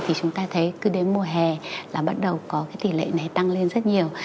thì chúng ta thấy cứ đến mùa hè là bắt đầu có cái tỷ lệ này tăng lên rất nhiều